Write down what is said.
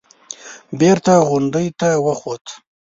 بېرته غونډۍ ته وخوت.